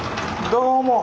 どうも。